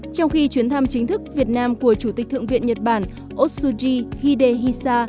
trong khi chuyến thăm chính thức việt nam của chủ tịch thượng viện nhật bản osuji hidehisa